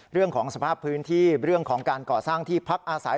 เรื่องของสภาพพื้นที่เรื่องของการก่อสร้างที่พักอาศัย